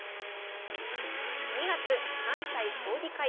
２月関西将棋会館。